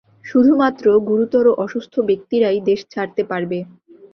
শুধুমাত্র গুরুতর অসুস্থ ব্যক্তিরাই দেশ ছাড়তে পারবে।